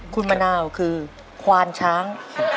คุณมะนาวคือควานช้าง